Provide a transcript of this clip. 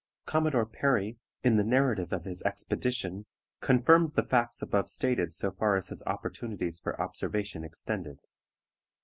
Commodore Perry, in the Narrative of his Expedition, confirms the facts above stated so far as his opportunities for observation extended.